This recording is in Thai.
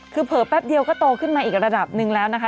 คือเผลอแป๊บเดียวก็โตขึ้นมาอีกระดับหนึ่งแล้วนะคะ